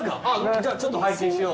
じゃあちょっと拝見しよう。